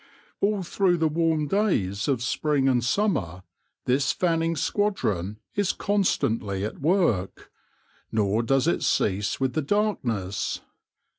All through the warm days of spring and summer this fanning squadron is constantly at work ; nor does it cease with the darkness.